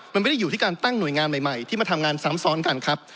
มันไม่ได้อยู่ที่การตั้งหน่วยงานใหม่ที่มาทำงานซ้ำซ้อนกันครับ